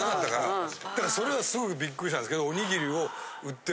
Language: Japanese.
だからそれはすごくびっくりしたんですけど。